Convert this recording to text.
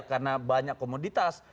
karena banyak komoditas